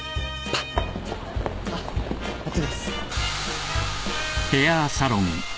あっ！